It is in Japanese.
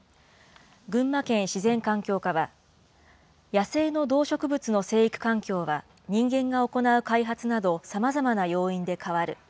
群馬県自然環境課は、野生の動植物の生育環境は人間が行う開発など、さまざまな要因で変わる。